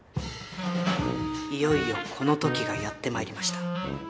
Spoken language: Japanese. いよいよこの時がやってまいりました。